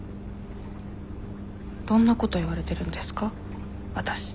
どんなこと言われてるんですか？